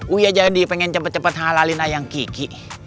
uya jadi pengen cepet cepet halalin ayang kiki